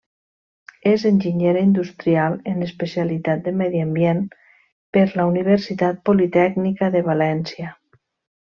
És enginyera industrial, en especialitat de Medi Ambient per la Universitat Politècnica de València.